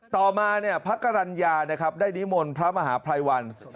ต่อมาพระกรรณญาได้นิมนต์พระมหาพลายวัน